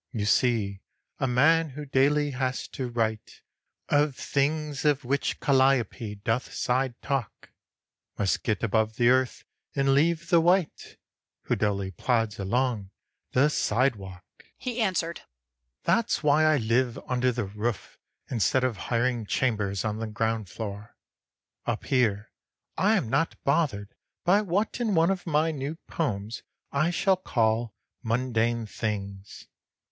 You see, a man who daily has to write Of things of which Calliope doth side talk, Must get above the earth and leave the wight Who dully plods along along the sidewalk," he answered. "That's why I live under the roof instead of hiring chambers on the ground floor. Up here I am not bothered by what in one of my new poems I shall call 'Mundane Things.'